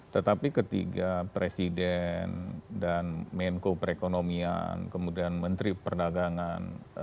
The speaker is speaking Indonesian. tetapi ketiga presiden dan menko perekonomian kemudian menteri perdagangan